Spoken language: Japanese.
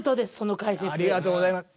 ありがとうございます。